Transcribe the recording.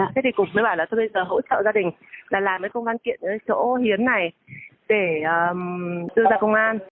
thế thì cục mới bảo là tôi bây giờ hỗ trợ gia đình là làm cái công văn kiện ở chỗ hiến này để đưa ra công an